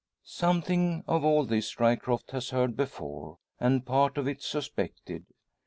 Something of all this Ryecroft has heard before, and part of it suspected.